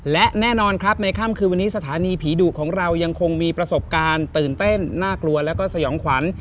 และแน่นอนครับในค่ำคืนวันนี้สถานีผีดุของเรายังคงมีประสบการณ์ตื่นเต้นน่ากลัวแล้วก็สยองขวัญ